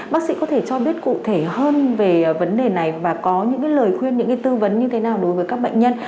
bác sĩ có thể cho biết cụ thể hơn về vấn đề này và có những lời khuyên những tư vấn như thế nào đối với các bệnh nhân